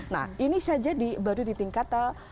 nah ini saya jadi baru di tingkat